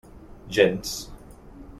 Gens.